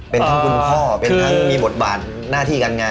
เป็นทั้งคุณพ่อเป็นทั้งมีบทบาทหน้าที่การงาน